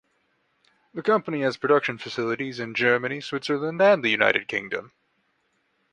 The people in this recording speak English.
The company has production facilities in Germany, Switzerland and the United Kingdom.